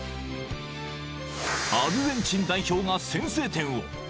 ［アルゼンチン代表が先制点を］